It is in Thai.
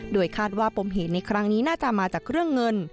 โดยคาดว่าปมเหตุในครั้งนี้น่าจะมาจากเรื่องเงิน